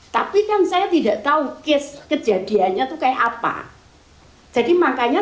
tapi kan saya tidak tahu kejadiannya itu kayak apa